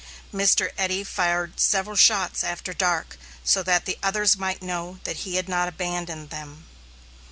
Mr. Eddy fired several shots after dark, so that the others might know that he had not abandoned them.